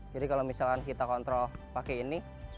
jadi kalau misalnya kita kontrol pakai ini